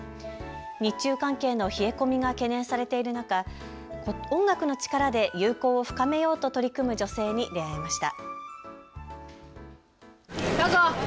日中関係の冷え込みが懸念されている中、音楽の力で友好を深めようと取り組む女性に出会いました。